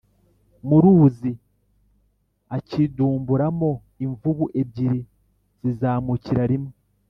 muruzi acyidumbura mo imvubu ebyiri zizamukira rimwe